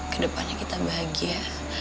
kedepannya kita bahagia